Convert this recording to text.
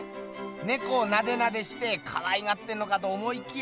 ねこをナデナデしてかわいがってんのかと思いきや。